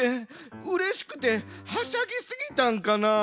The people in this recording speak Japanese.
うれしくてはしゃぎすぎたんかなあ。